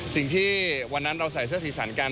สิ่งที่วันนั้นเราใส่เสื้อสีสันกัน